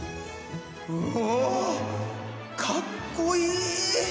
うおかっこいい。